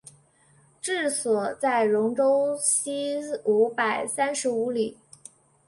治所在戎州西五百三十五里。